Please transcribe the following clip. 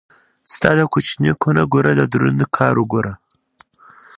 ستا دا کوچنۍ کونه ګوره دا دروند کار وګوره.